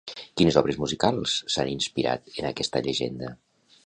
Quines obres musicals s'han inspirat en aquesta llegenda?